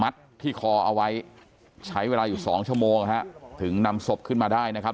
ที่คอเอาไว้ใช้เวลาอยู่สองชั่วโมงฮะถึงนำศพขึ้นมาได้นะครับ